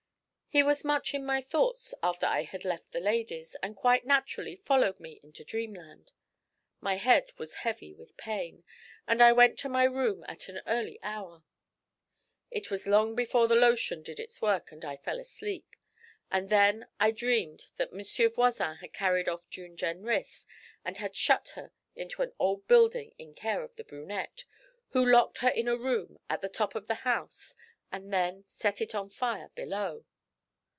He was much in my thoughts, after I had left the ladies, and quite naturally followed me into dreamland. My head was heavy with pain, and I went to my room at an early hour. It was long before the lotion did its work and I fell asleep, and then I dreamed that Monsieur Voisin had carried off June Jenrys, and had shut her into an old building in care of the brunette, who locked her in a room at the top of the house and then set it on fire below.